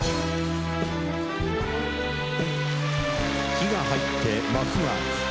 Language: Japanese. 火が入って幕が開く。